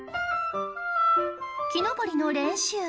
木登りの練習！